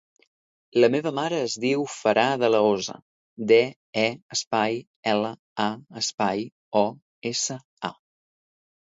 La meva mare es diu Farah De La Osa: de, e, espai, ela, a, espai, o, essa, a.